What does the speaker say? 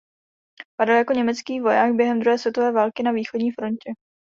Padl jako německý voják během druhé světové války na východní frontě.